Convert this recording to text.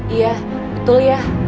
iya betul ya